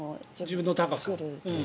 自分の高さに。